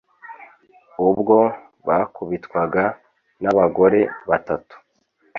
ubwo bakubitwaga n’abagore batatu